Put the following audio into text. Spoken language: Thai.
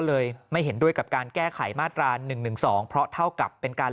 เลยไม่เห็นด้วยกับการแก้ไขมาตรา๑๑๒เพราะเท่ากับเป็นการ